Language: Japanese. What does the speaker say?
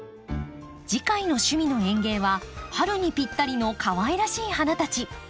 次回の「趣味の園芸」は春にぴったりのかわいらしい花たち。